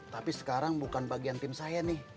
tapi sekarang bukan bagian tim saya nih